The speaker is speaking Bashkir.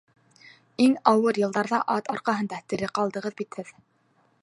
Иң ауыр йылдарҙа ат арҡаһында тере ҡалдығыҙ бит һеҙ!